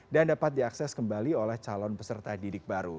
dan dapat diakses kembali oleh calon peserta didik baru